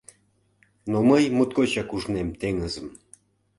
Но мый моткочак ужнем теҥызым